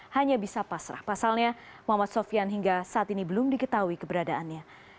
hanya bisa pasrah pasalnya muhammad sofian hingga saat ini belum diketahui keberadaannya